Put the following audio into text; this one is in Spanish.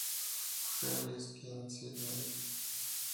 Ferries "Queen of Sidney".